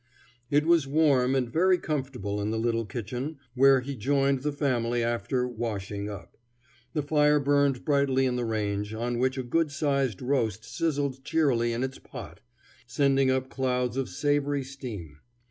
It was warm and very comfortable in the little kitchen, where he joined the family after "washing up." The fire burned brightly in the range, on which a good sized roast sizzled cheerily in its pot, sending up clouds of savory steam.